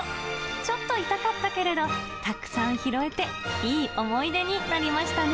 ちょっと痛かったけれど、たくさん拾えていい思い出になりましたね。